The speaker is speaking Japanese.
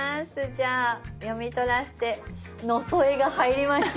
じゃあ読み取らせて「のそえ」が入りました。